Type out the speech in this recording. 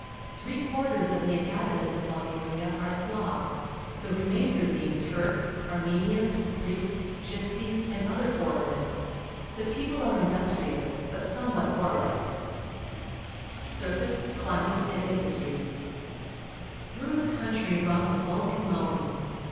Three quarters of the inhabitants of Bulgaria are Slavs, the remainder being Turks, Armenians, Greeks, Gypsies, and other foreigners. The people are industrious, but somewhat war like. Surface, Climate, and Industries. — Through the country run the Balkan Mountains.